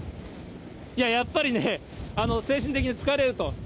いや、やっぱりね、精神的に疲れると。